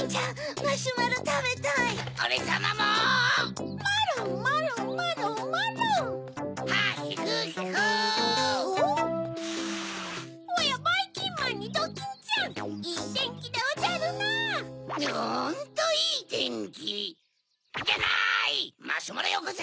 マシュマロよこせ！